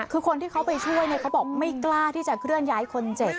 คือคนที่เขาไปช่วยเนี่ยเขาบอกไม่กล้าที่จะเคลื่อนย้ายคนเจ็บ